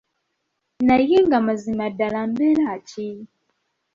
Naye nga mazima ddala mbeera ki?